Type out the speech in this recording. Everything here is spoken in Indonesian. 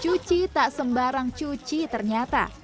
cuci tak sembarang cuci ternyata